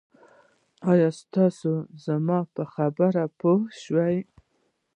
آیا تاسي زما په خبرو پوه شوي